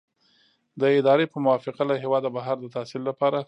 د ادارې په موافقه له هیواده بهر د تحصیل لپاره.